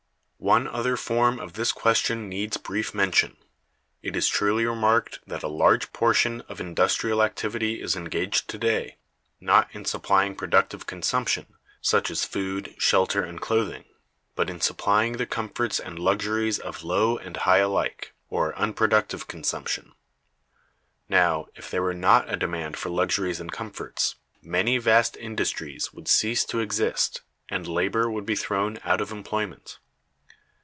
One other form of this question needs brief mention. It is truly remarked that a large portion of industrial activity is engaged to day, not in supplying productive consumption, such as food, shelter, and clothing, but in supplying the comforts and luxuries of low and high alike, or unproductive consumption; now, if there were not a demand for luxuries and comforts, many vast industries would cease to exist, and labor would be thrown out of employment.